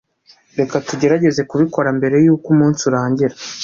reka tugerageze kubikora mbere yuko umunsi urangira